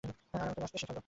আর আমাকে বাঁচতে শেখালো।